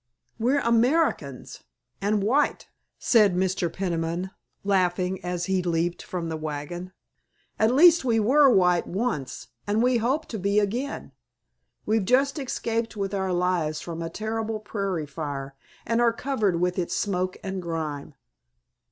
"We're Americans—and white," said Mr. Peniman laughing, as he leaped from the wagon. "At least we were white once, and we hope to be again. We've just escaped with our lives from a terrible prairie fire, and are covered with its smoke and grime."